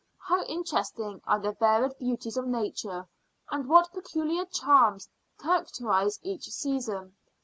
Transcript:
How interesting are the varied beauties of Nature, and what peculiar charms characterise each season!